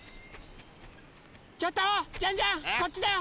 ちょっとジャンジャンこっちだよ！